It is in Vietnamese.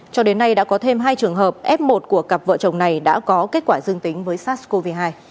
cho đến nay đã có thêm hai trường hợp f một của cặp vợ chồng này đã có kết quả dương tính với sars cov hai